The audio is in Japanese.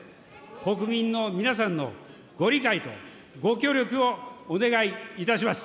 国民の皆さんのご理解とご協力をお願いいたします。